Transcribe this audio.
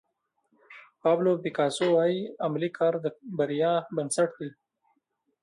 پابلو پیکاسو وایي عملي کار د بریا بنسټ دی.